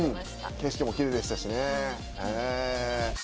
景色もキレイでしたしね。